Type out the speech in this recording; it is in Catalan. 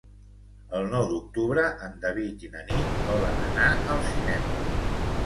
El nou d'octubre en David i na Nit volen anar al cinema.